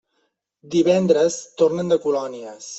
Divendres tornen de colònies.